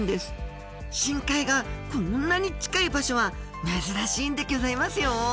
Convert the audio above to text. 深海がこんなに近い場所は珍しいんでギョざいますよ